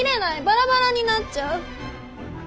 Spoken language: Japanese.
バラバラになっちゃう！